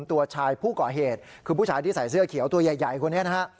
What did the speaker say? ตัวชายผู้ก่อเหตุคือผู้ชายที่ใส่เสื้อเขียวตัวใหญ่คนนี้นะฮะ